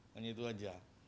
hanya itu saja